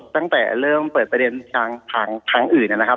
ตั้งแต่เริ่มเปิดประเด็นทางอื่นนะครับ